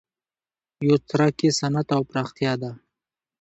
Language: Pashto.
یو څرک یې صنعت او پراختیا ده.